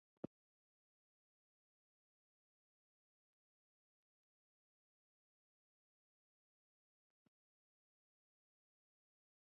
তিনি আবিষ্কার করেন যে, যদিও পদার্থ তার আকৃতি বা গঠন পরিবর্তন করতে পারে, কিন্তু তার ভর সবসময় একই থাকে।